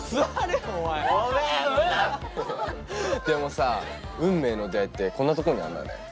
でもさ運命の出会いってこんなところにあるんだね。